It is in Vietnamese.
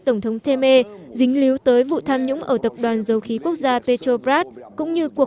tổng thống temer dính líu tới vụ tham nhũng ở tập đoàn dầu khí quốc gia petrobrad cũng như của